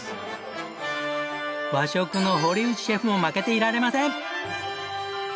和食の堀内シェフも負けていられません。